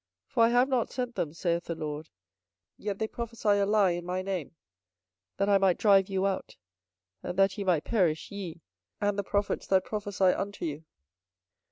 24:027:015 For I have not sent them, saith the LORD, yet they prophesy a lie in my name; that I might drive you out, and that ye might perish, ye, and the prophets that prophesy unto you.